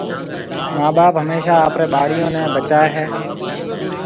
مان ٻاپ هميشا آپريَ ٻاݪو نَي بچائي هيَ۔